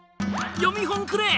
読本くれ！